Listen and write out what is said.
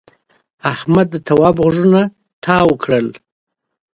احمد د تواب غوږونه سپین کړل.